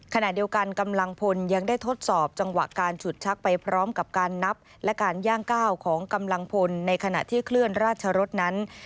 ขณะเดียวกันกำลังพลยังได้ทดสอบจังหวะการฉุดชักไปพร้อมกับการนับและการย่างก้าวของกำลังพลในขณะที่เคลื่อนราชรสนั้น